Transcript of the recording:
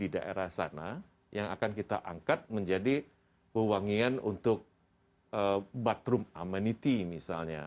di daerah sana yang akan kita angkat menjadi wawangian untuk bathroom amenity misalnya